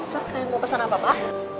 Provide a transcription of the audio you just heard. silahkan mau pesan apa pak